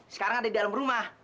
sekarang ada di dalam rumah